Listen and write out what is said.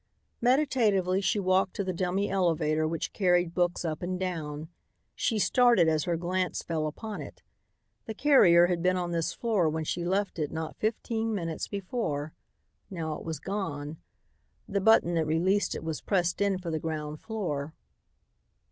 Meditatively she walked to the dummy elevator which carried books up and down. She started as her glance fell upon it. The carrier had been on this floor when she left it not fifteen minutes before. Now it was gone. The button that released it was pressed in for the ground floor.